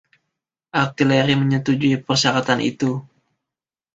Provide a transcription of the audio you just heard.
Artileri menyetujui persyaratan itu.